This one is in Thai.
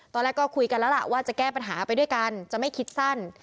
ตอนแรกก็คุยกันแล้วล่ะว่าจะแก้ปัญหาไปด้วยกันจะไม่คิดสั้น